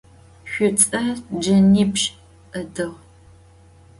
Çütse cenipş' ıdığ.